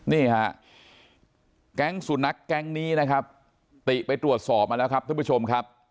นี่ฮะแก๊งสุนัขแก๊งนี้นะครับติไปตรวจสอบมาแล้วครับท่านผู้ชมครับ